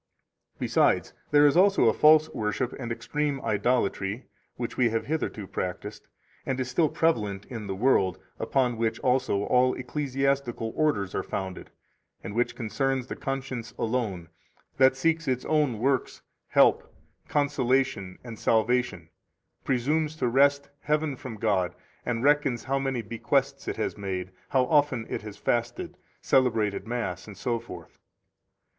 22 Besides, there is also a false worship and extreme idolatry, which we have hitherto practised, and is still prevalent in the world, upon which also all ecclesiastical orders are founded, and which concerns the conscience alone, that seeks in its own works help, consolation, and salvation, presumes to wrest heaven from God, and reckons how many bequests it has made, how often it has fasted, celebrated Mass, etc.